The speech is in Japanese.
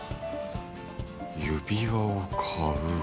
「指輪を買う」